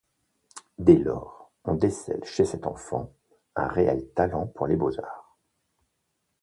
Dès lors on décèle chez cet enfant un réel talent pour les beaux-arts.